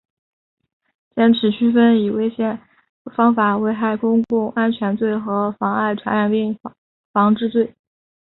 坚持区分以危险方法危害公共安全罪和妨害传染病防治罪